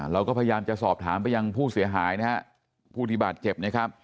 เราก็พยายามจะสอบถามไปยังผู้เสียหายผู้ที่บาดเจ็บ